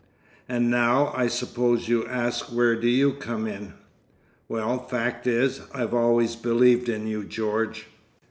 "And now, I suppose, you ask where do YOU come in? Well, fact is I've always believed in you, George.